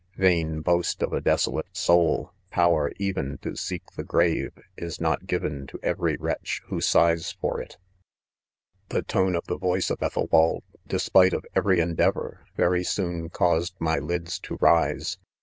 Vain boast of a desolate soul I power even to seek the grave, is not given to every wretch, .who sighs for it. f6 ■ 138 IDOMEN. •■'* The tone of the voice of Ethelwald, despite of every endeavor, very soon caused my lids to rise.